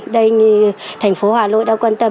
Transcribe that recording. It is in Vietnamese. đây thành phố hà nội đã quan tâm